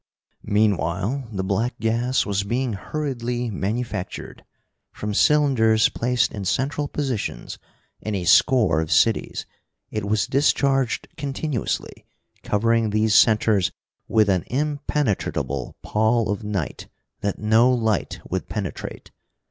Meanwhile the black gas was being hurriedly manufactured. From cylinders placed in central positions in a score of cities it was discharged continuously, covering these centers with an impenetrable pall of night that no light would penetrate.